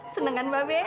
senang kan be